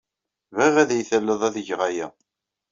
Bɣiɣ ad iyi-talled ad geɣ aya.